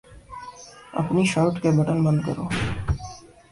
اپنی شرٹ کے بٹن بند کرو